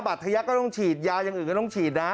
ทะยักษ์ก็ต้องฉีดยาอย่างอื่นก็ต้องฉีดนะ